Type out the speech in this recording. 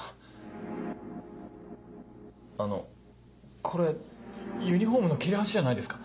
あのこれユニホームの切れ端じゃないですか？